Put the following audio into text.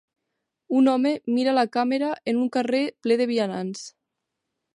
Un home mira la càmera en un carrer ple de vianants.